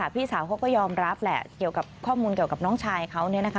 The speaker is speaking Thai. พี่สาวเขาก็ยอมรับแหละเกี่ยวกับข้อมูลเกี่ยวกับน้องชายเขา